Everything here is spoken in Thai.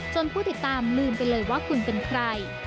ผู้ติดตามลืมไปเลยว่าคุณเป็นใคร